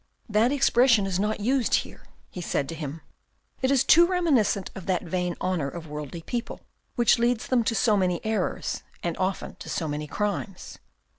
" That expression is not used here," he said to him. " It is too reminiscent of that vain honour of worldly people, which leads them to so many errors and often to so many crimes.